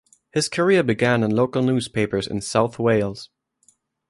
His career began in local newspapers in South Wales.